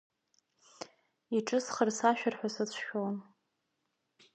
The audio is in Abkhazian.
Иҿысхыр сашәыр ҳәа сацәшәон.